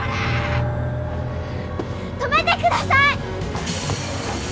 止めてください！